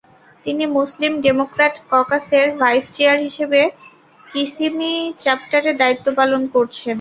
তিনি Muslim Democrat ককাসের vice chair হিসেবে কিসিমি চ্যাপ্টারে দায়িত্ব পালন করছেন।